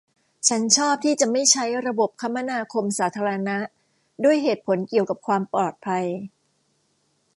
ฉันชอบที่จะไม่ใช้ระบบคมนาคมสาธารณะด้วยเหตุผลเกี่ยวกับความปลอดภัย